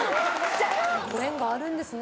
ご縁があるんですね。